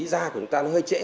da của chúng ta hơi trễ